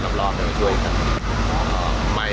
เพราะว่าเมืองนี้จะเป็นที่สุดท้าย